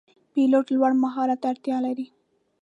پیلوټ لوړ مهارت ته اړتیا لري.